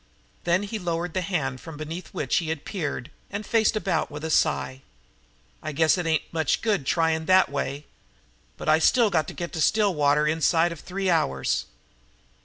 Then he lowered the hand from beneath which he had peered and faced about with a sigh. "I guess it ain't much good trying that way. But I got to get to Stillwater inside of three hours."